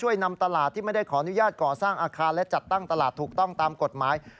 นำตลาดที่ไม่ได้ขออนุญาตก่อสร้างอาคารและจัดตั้งตลาดถูกต้องตามกฎหมาย